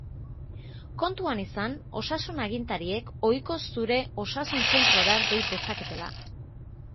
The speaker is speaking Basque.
Kontuan izan osasun agintariek ohiko zure osasun-zentrora dei dezaketela.